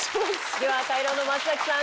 では赤色の松崎さん